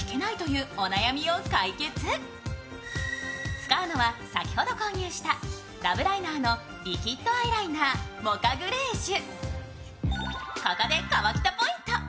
使うのは先ほど購入したラブ・ライナーのリキッドアイライナー、モカグレージュ。